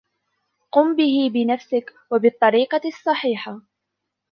قم به بنفسك وبالطريقة الصحيحة.